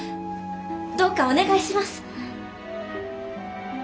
どうかお願いします。